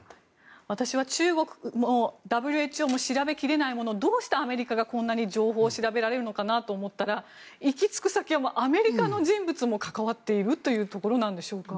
私は中国もＷＨＯも調べきれないものをどうしてアメリカがこんなに情報を調べられるのかなと思ったら、行きつく先はアメリカの人物も関わっているということなんでしょうか。